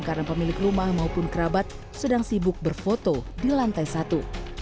karena pemilik rumah maupun kerabat sedang sibuk berfoto di lantai satu